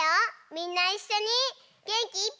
みんないっしょにげんきいっぱい。